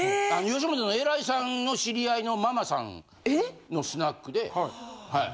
吉本の偉いさんの知り合いのママさんのスナックではい。